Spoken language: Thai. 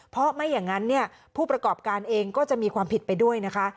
เพราะไม่อย่างนั้นผู้ประกอบการเองก็จะมีความผิดไปด้วยนะคะ